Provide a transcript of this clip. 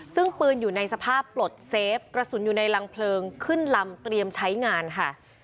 ซึ่งปืนอยู่ในสภาพปลดเซฟกระสุนอยู่ในรังเพลิงขึ้นลำเตรียมใช้งานค่ะ